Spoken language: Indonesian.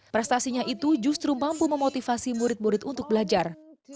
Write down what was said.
prestasinya itu justru mampu memotivasi murid murid untuk belajar